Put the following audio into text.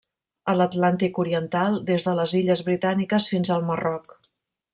A l'Atlàntic Oriental, des de les Illes Britàniques fins al Marroc.